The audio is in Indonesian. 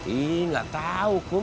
ih enggak tahu kum